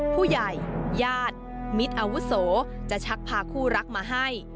ผู้ใหญ่ญาติมิตรอาวุโสจะชักพาคู่รักมาให้